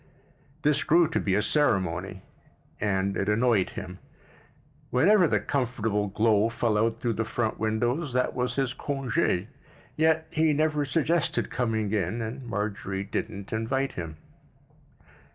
This grew to be a ceremony—and it annoyed him. Whenever the comfortable glow fell out through the front windows, that was his congķ; yet he never suggested coming in and Marjorie didn't invite him.